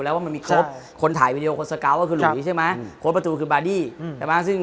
แล้วก็ชัดเจนว่ามันจะอีกหนึ่งทีมงาน